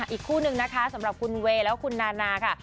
อีกคู่นึงนะคะสำหรับคุณเวย์และคุณนานาค่ะ